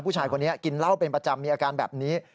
ผู้ชายคนนี้กินเหล้าเป็นประจำมีอาการแบบนี้